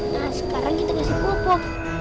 nah sekarang kita kasih popo